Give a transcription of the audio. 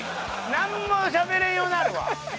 なんもしゃべれんようになるわ。